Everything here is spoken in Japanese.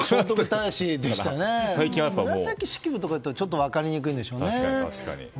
紫式部とかですとちょっと分かりにくいんでしょうね。